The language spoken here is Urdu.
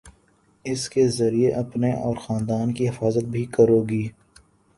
اس کے ذریعے اپنے اور خاندان کی حفاظت بھی کروں گی